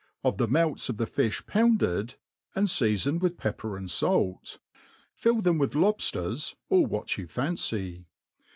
ART OF COOKERY i ' the melts of the fifh pounded, and feafoned with pepper and fait } fil) them with lohfters, or what you fancy.